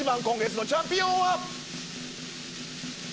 今月のチャンピオンは。